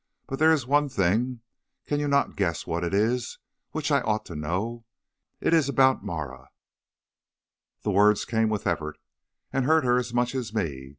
'But there is one thing can you not guess what it is? which I ought to know. It is about Marah.' "The words came with effort, and hurt her as much as me.